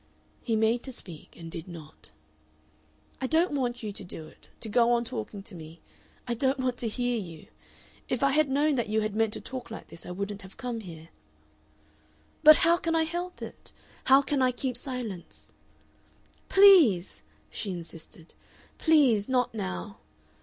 He made to speak and did not. "I don't want you to do it, to go on talking to me. I don't want to hear you. If I had known that you had meant to talk like this I wouldn't have come here." "But how can I help it? How can I keep silence?" "Please!" she insisted. "Please not now."